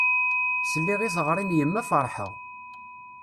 Sliɣ i teɣri n yemma ferḥeɣ.